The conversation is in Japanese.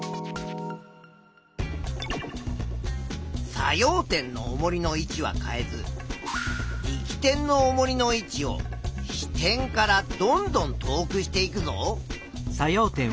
作用点のおもりの位置は変えず力点のおもりの位置を支点からどんどん遠くしていくぞ。